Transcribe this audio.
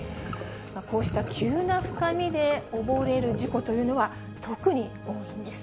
こうした急な深みで溺れる事故というのは、特に多いんです。